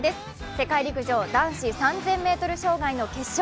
世界陸上、男子３０００ｍ障害の決勝。